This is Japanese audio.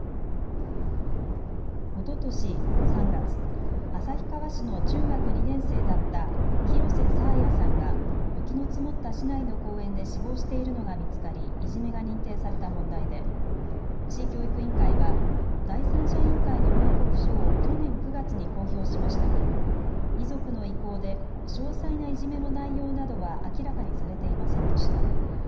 おととし３月、旭川市の中学２年生だった廣瀬爽彩さんが雪の積もった市内の公園で死亡しているのが見つかりいじめが認定された問題で市教育委員会は第三者委員会の報告書を去年９月に公表しましたが遺族の意向で詳細ないじめの内容などは明らかにされていませんでした。